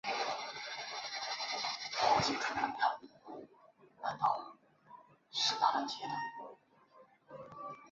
弗勒宁根。